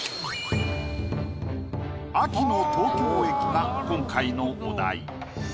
「秋の東京駅」が今回のお題。